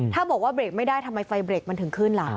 ถ้าบอกว่าเบรกไม่ได้ทำไมไฟเบรกมันถึงขึ้นล่ะ